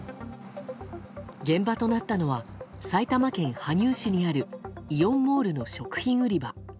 現場となったのは埼玉県羽生市にあるイオンモールの食品売り場。